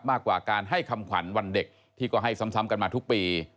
มากกว่าการให้คำขวัญวันเด็กที่ก็ให้ซ้ำกันมาทุกปี